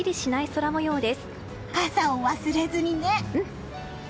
傘を忘れずにね！